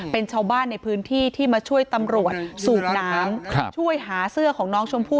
เป็นชาวบ้านในพื้นที่ที่มาช่วยตำรวจสูบน้ำช่วยหาเสื้อของน้องชมพู่